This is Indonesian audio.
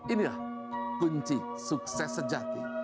inilah kunci sukses sejati